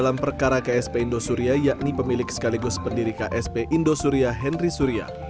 karena ksp indosuria yakni pemilik sekaligus pendiri ksp indosuria henry surya